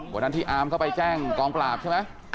วันนั้นที่อาร์มเข้าไปแจ้งกองปราบใช่ไหม